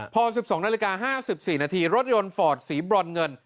พอ๑๒นาที๕๔นาทีรถยนต์ฟอร์ดศรีบรรณเงิน